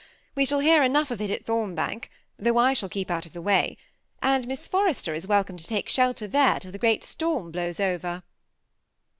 We shall hear enough of it at Thombank, though I shall keep out of the way ; and Miss Forrester is welcome to take shelter there till the great storm blows over."